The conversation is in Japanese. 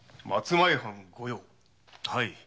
はい。